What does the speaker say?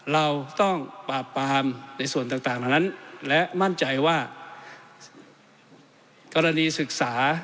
เราต้องปราบปามในส่วนต่างเหล่านั้นและมั่นใจว่ากรณีศึกษา